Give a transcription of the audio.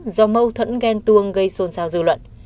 do mâu thuẫn ghen tuông gây xôn xao dư luận